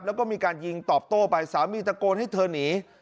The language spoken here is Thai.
แล้วก็มีการยิงตอบโต้ไปสามีตะโกนให้เธอหนี